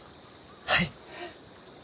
はい。